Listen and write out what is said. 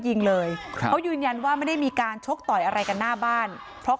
ยิงเลยครับเขายืนยันว่าไม่ได้มีการชกต่อยอะไรกันหน้าบ้านเพราะ